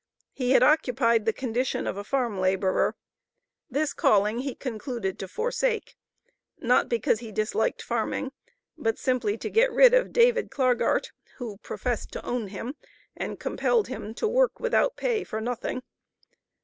He had occupied the condition of a farm laborer. This calling he concluded to forsake, not because he disliked farming, but simply to get rid of David Clargart, who professed to own him, and compelled him to work without pay, "for nothing."